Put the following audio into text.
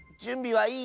はい！